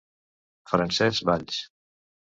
Francesc Valls.